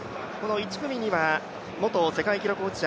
１組には元世界記録保持者